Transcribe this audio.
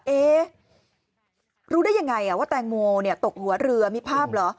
เอ๊รู้ได้ยังไงว่าแตงโมตกหัวเรือมีภาพเหรอ